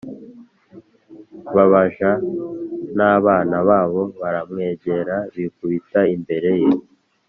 Ba baja n abana babo baramwegera bikubita imbere ye